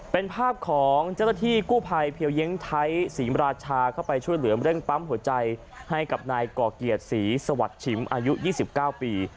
เป็นภาพของเจ้าหน้าที่กู้ภัยเพียวเย้งไทยศรีมราชาเข้าไปช่วยเหลือเร่งปั๊มหัวใจให้กับนายก่อเกียรติศรีสวัสดิ์ฉิมอายุ๒๙ปี